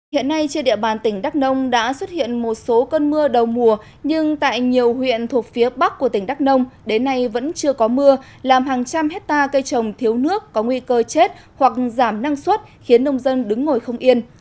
hiện nay trên địa bàn tỉnh đắk nông đã xuất hiện một số cơn mưa đầu mùa nhưng tại nhiều huyện thuộc phía bắc của tỉnh đắk nông đến nay vẫn chưa có mưa làm hàng trăm hectare cây trồng thiếu nước có nguy cơ chết hoặc giảm năng suất khiến nông dân đứng ngồi không yên